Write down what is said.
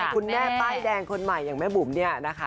คุณแม่ป้ายแดงคนใหม่อย่างแม่บุ๋มเนี่ยนะคะ